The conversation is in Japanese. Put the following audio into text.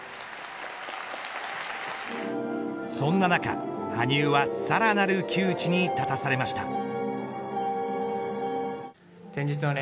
そんな中、羽生はさらなる窮地に立たされました。